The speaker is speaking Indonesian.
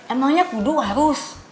emangnya kudu harus